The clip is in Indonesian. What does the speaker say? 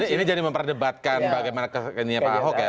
ini jadi memperdebatkan bagaimana kenya pak ahok ya